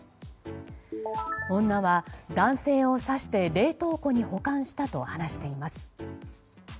女は男性を刺して冷凍庫に保管したと話しています。